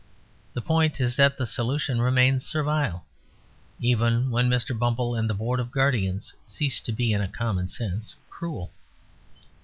The point is that the solution remains servile, even when Mr. Bumble and the Board of Guardians ceased to be in a common sense cruel.